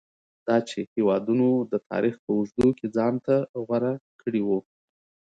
دا چې هېوادونو د تاریخ په اوږدو کې ځان ته غوره کړي وو.